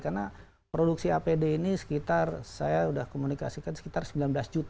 karena produksi apd ini sekitar saya sudah komunikasikan sekitar sembilan belas juta